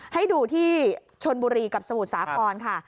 ให้ดูที่ชนบุรีกับสมุทรสาครค่ะ